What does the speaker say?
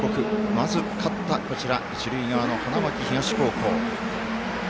まず勝った、一塁側の花巻東高校。